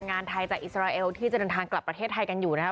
งานไทยจากอิสราเอลที่จะเดินทางกลับประเทศไทยกันอยู่นะครับ